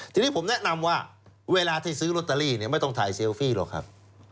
ทีนี้ผมแนะนำว่าเวลาที่ซื้อลอตเตอรี่ไม่ต้องถ่ายเซลฟี่หรอกครับ